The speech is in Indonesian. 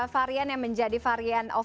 terima kasih ibu